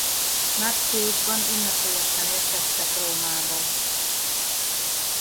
Márciusban ünnepélyesen érkeztek Rómába.